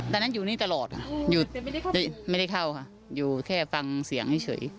ดังนั้นอยู่นี่ตลอดไม่ได้เข้าอยู่แค่ฟังเสียงเฉย